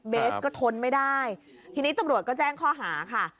เบสก็ทนไม่ได้ทีนี้ตำรวจก็แจ้งข้อหาค่ะ